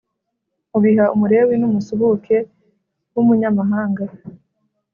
ubiha Umulewi n umusuhuke w umunyamahanga